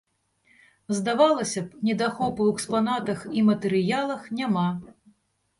Здавалася б, недахопу ў экспанатах і матэрыялах няма.